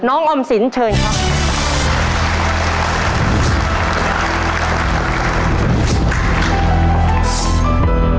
ออมสินเชิญครับ